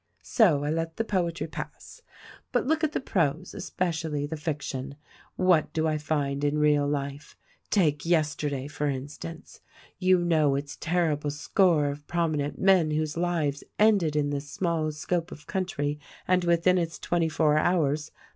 "So I let the poetry pass. But look at the prose, espe cially the fiction. What do I find in real life. Take yester day, for instance. You know its terrible score of promi nent men whose lives ended in this small scope of country and within its twenty four hours.